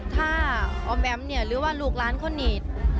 ถ้าอ๋อมแอมเนี่ยหรือว่าลูกล้านคนอีก